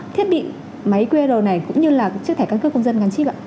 thiết bị máy qr này cũng như là chiếc thẻ căn cứ công dân gắn chip ạ